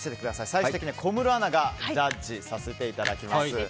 最終的には小室アナがジャッジさせていただきます。